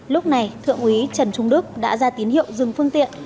lúc này thượng úy trần trung đức đã ra tín hiệu dừng phương tiện